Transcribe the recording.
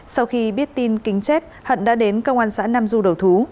sau khi biết tin kính chết hận đã đến công an xã nam du đầu thú